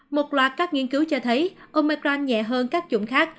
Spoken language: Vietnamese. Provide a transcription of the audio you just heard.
một loạt các nghiên cứu cho thấy omicron nhẹ hơn các dụng khác